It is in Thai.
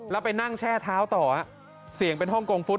แล้วไปนั่งแช่เท้าต่อเสียงเป็นฮ่องกงฟุต